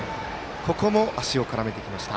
ここも足を絡めてきました。